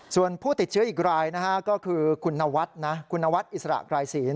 ส่วนผู้ติดเชื้ออีกรายก็คือคุณนวัดอิสระไกรศีล